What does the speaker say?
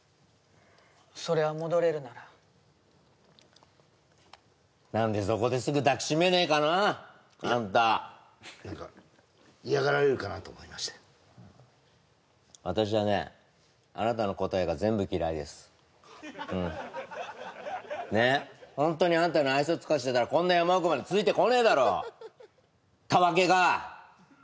そりゃ戻れるなら何でそこですぐ抱きしめねえかなあんた何か嫌がられるかなと思いまして私はねあなたの答えが全部嫌いですうんねえホントにあんたに愛想尽かしてたらこんな山奥までついてこねえだろたわけが！